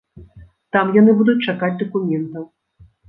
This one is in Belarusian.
Там яны будуць чакаць дакументаў.